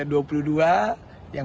yang pastinya semoga dalam kepemimpinan